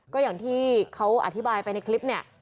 ก็อย่างที่เขาอธิบายไปในคลิปเนี่ย